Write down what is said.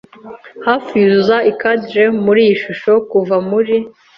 hafi yuzuza ikadiri muri iyi shusho kuva muri